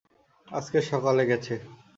আজকে সকালে গেছে।